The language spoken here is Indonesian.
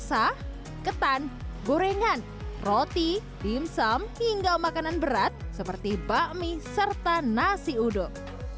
rasa ketan gorengan roti dimsum hingga makanan berat seperti bakmi serta nasi uduk